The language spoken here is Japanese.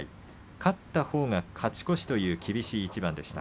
勝ったほうは勝ち越しという厳しい一番でした。